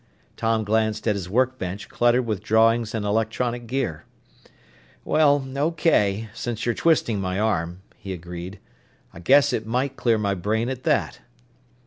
Tom glanced at his workbench cluttered with drawings and electronic gear. "Well, okay, since you're twisting my arm," he agreed. "I guess it might clear my brain at that."